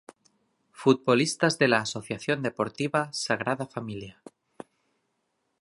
Futbolistas de la Asociación Deportiva Sagrada Familia